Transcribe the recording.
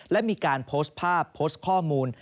และมีการโพสต์ภาพโพสต์ข้อมูล